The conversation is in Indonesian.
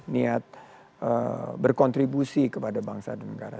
niat berkontribusi kepada bangsa dan negara